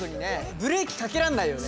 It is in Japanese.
ブレーキかけらんないよね。